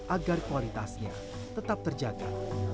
agar kualitasnya tetap terjaga